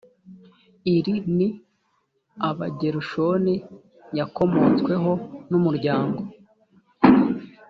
iri ni aba gerushoni yakomotsweho n umuryango